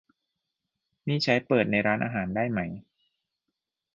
นี่ใช้เปิดในร้านอาหารได้ไหม ?